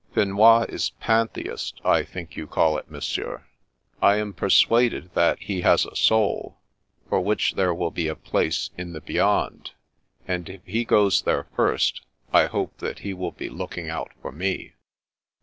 " Finois is Pantheist, I think you call it. Monsieur. I am persuaded that he has a soul, for which there will be a place in the Be yond ; and if he goes there first, I hope that he will be looking out for me."